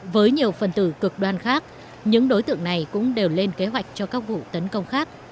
với nhiều phần tử cực đoan khác những đối tượng này cũng đều lên kế hoạch cho các vụ tấn công khác